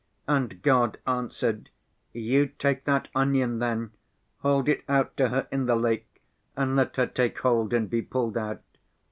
And God answered: 'You take that onion then, hold it out to her in the lake, and let her take hold and be pulled out.